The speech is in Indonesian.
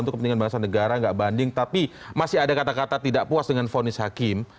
untuk kepentingan bahasa negara nggak banding tapi masih ada kata kata tidak puas dengan fonis hakim